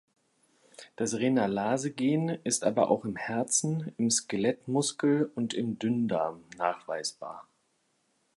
Das Renalase-Gen ist aber auch im Herzen, im Skelettmuskel und im Dünndarm nachweisbar.